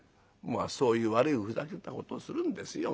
「まあそういう悪いふざけたことするんですよ